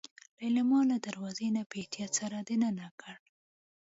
ليلما له دروازې نه په احتياط سر دننه کړ.